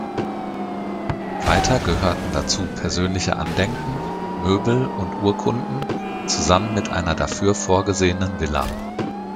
Weiter gehörten dazu persönliche Andenken, Möbel, und Urkunden, zusammen mit einer dafür vorgesehenen Villa.